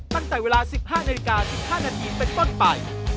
ตั้งแต่เวลา๑๕นาฬิกา๑๕นาทีเป็นต้นไป